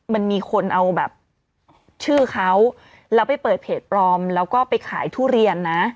มันมีคนเอาแบบชื่อเขาแล้วไปเปิดเพจปลอมแล้วก็ไปขายทุเรียนนะ